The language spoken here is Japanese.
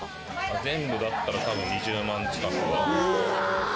全部だったら多分２０万近くは。